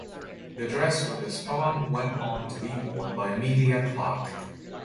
The dress with his poem went on to be worn by Emilia Clarke.